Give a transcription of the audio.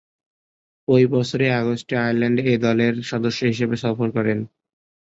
ঐ বছরেরই আগস্টে আয়ারল্যান্ডে এ দলের সদস্য হিসেবে সফর করেন।